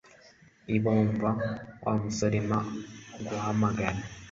Niba wumva Wa musore, mpa guhamagara